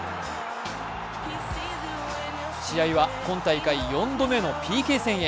試合は今大会４度目のＰＫ戦へ。